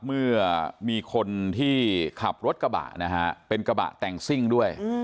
เมื่อมีคนที่ขับรถกระบะนะฮะเป็นกระบะแต่งซิ่งด้วย